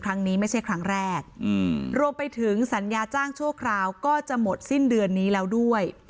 ครั้งนี้ไม่ใช่ครั้งแรกรวมไปถึงสัญญาจ้างชั่วคราวก็จะหมดสิ้นเดือนนี้แล้วด้วย